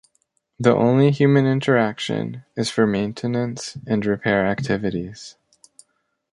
The only human interaction is for maintenance and repair activities.